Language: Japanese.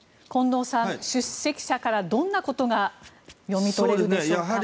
近藤さん、出席者からどんなことが読み取れるでしょうか？